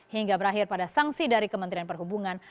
hingga berakhir pada sanksi dari kementerian perhubungan